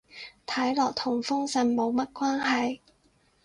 睇落同封信冇乜關係